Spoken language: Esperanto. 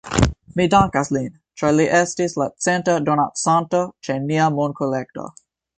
Mi dankas lin, ĉar li estis la centa donacanto ĉe nia monkolekto